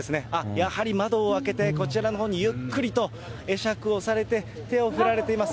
やはり窓を開けて、こちらのほうにゆっくりと会釈をされて、手を振られています。